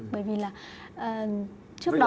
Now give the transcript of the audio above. bởi vì là trước đó